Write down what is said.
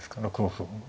６五歩。